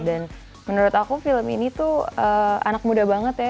dan menurut aku film ini tuh anak muda banget ya